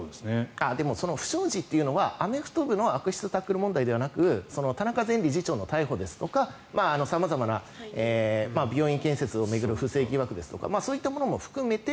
でも不祥事というのはアメフト部の悪質タックル問題ではなく田中前理事長の逮捕ですとか様々な病院建設を巡る不正疑惑ですとかそういったものも含めて。